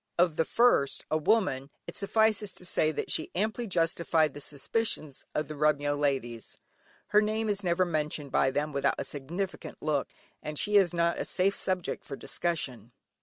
Of the first, a woman, it suffices to say that she amply justified the suspicions of the Remyo ladies. Her name is never mentioned by them without a significant look, and she is not a safe subject for discussion.